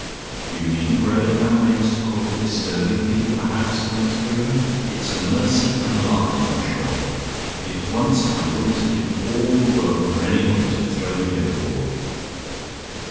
You needn't groan in that way, Mr. Caudle, disturbing the people, perhaps, in the next room. It's a mercy I'm alive, I'm sure. If once I wouldn't have given all the world for anybody to have thrown me overboard!